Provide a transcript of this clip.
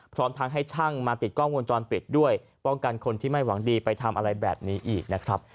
พร้อมทั้งให้ช่างมาติดกล้องวงจรปิดด้วยป้องกันคนที่ไม่หวังดีไปทำอะไรแบบนี้อีกนะครับ